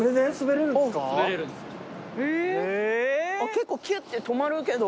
結構きゅって止まるけど。